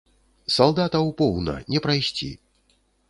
Салдатаў поўна, не прайсці.